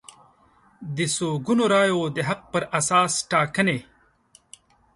د څو ګونو رایو د حق پر اساس ټاکنې